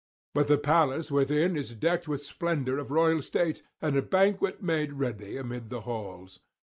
... But the palace within is decked with splendour of royal state, and a banquet made ready amid the halls.